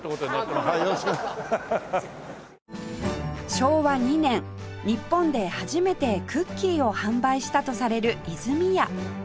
昭和２年日本で初めてクッキーを販売したとされる泉屋